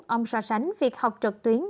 ông so sánh việc học trực tuyến